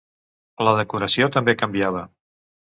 La decoració també canviava.